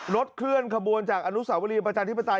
เคลื่อนขบวนจากอนุสาวรีประชาธิปไตย